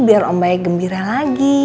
biar om baik gembira lagi